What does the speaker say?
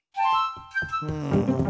うん。